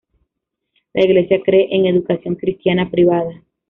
La iglesia cree en educación Cristiana privada.